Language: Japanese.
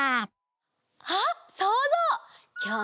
あっそうぞう！